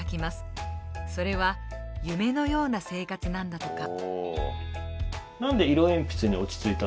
それは夢のような生活なんだとか。